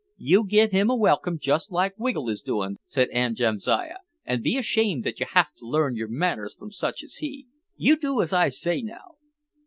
"You give him a welcome just like Wiggle is doing," said Aunt Jamsiah, "and be ashamed that you have to learn your manners from such as he. You do as I say now."